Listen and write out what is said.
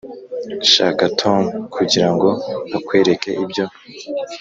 shaka tom kugirango akwereke ibyo.